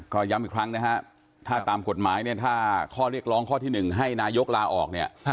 ก็ย้ำอีกครั้งนะฮะถ้าตามกฎหมายเนี่ยถ้าข้อเรียกร้องข้อที่๑ให้นายกลาออกเนี่ย